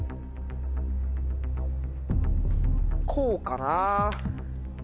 こうかな？